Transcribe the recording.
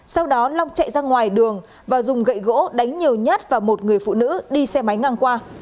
sau đó long chạy ra ngoài đường và dùng gậy gỗ đánh nhiều nhát vào một người phụ nữ đi xe máy ngang qua